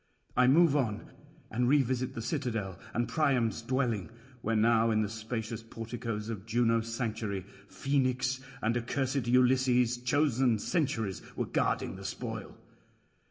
I move on, and revisit the citadel and Priam's dwelling; where now in the spacious porticoes of Juno's sanctuary, Phoenix and accursed Ulysses, chosen sentries, were guarding the spoil.